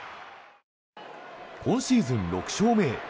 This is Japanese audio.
今シーズン６勝目へ。